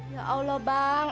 ya allah bang